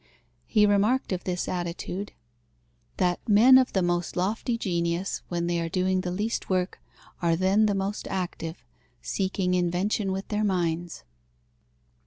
He remarked of this attitude "that men of the most lofty genius, when they are doing the least work, are then the most active, seeking invention with their minds."